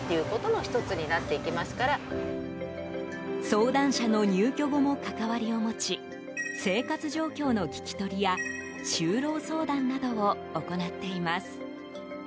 相談者の入居後も関わりを持ち生活状況の聞き取りや就労相談などを行っています。